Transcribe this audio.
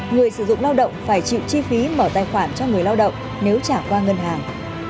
người sử dụng lao động phải chịu chi phí mở tài khoản cho người lao động nếu trả qua ngân hàng